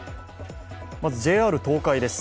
まずＪＲ東海です。